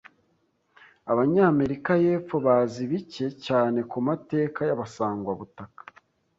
Abanyamerika y'Epfo bazi bike cyane ku mateka y'abasangwabutaka